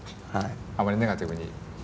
あまりネガティブに。